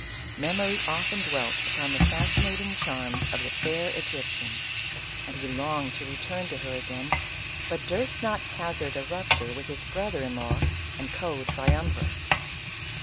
Memory often 'dwelt upon the fascinating charms of the fair Egyptian, and he longed to return to her again, but durst not hazard a rupture with his brother in law and co triumvir.